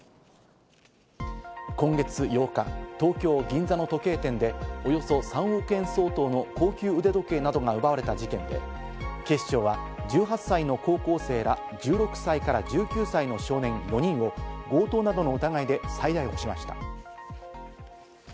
今月８日、東京・銀座の時計店で、およそ３億円相当の高級腕時計などが奪われた事件で、警視庁は１８歳の高校生ら１６歳から１９歳の少年４人を強盗などの疑いで再逮捕しました。